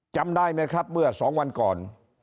จำได้ไหมครับเมื่อ๒วันก่อน